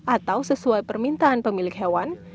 atau sesuai permintaan pemilik hewan